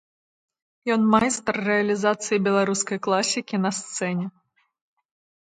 Ён майстар рэалізацыі беларускай класікі на сцэне.